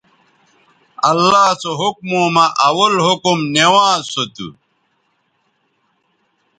اللہ سو حکموں مہ اول حکم نوانز سو تھو